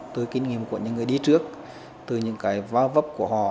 từ kinh nghiệm của những người đi trước từ những cái va vấp của họ